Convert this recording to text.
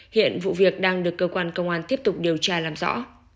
hiện vụ việc đang được cơ quan công an tiếp tục điều tra làm rõ